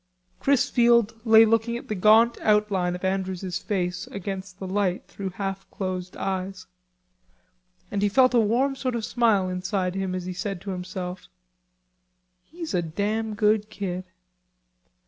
Chrisfield lay looking at the gaunt outline of Andrews's face against the light through half closed eyes. And he felt a warm sort of a smile inside him as he said to himself: "He's a damn good kid."